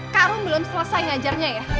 karung belum selesai ngajarnya ya